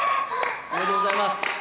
おめでとうございます！